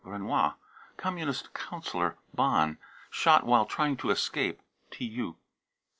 renois, Communist councillor, Bonn, shot "while trying to escape." (TU.)